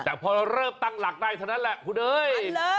แต่พอเริ่มตั้งหลักได้เท่านั้นแหละคุณเอ้ย